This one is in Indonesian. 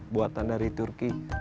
buatan dari turki